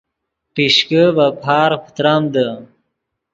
پیشکے ڤے پارغ پتریمدے